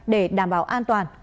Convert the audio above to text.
để đảm bảo an toàn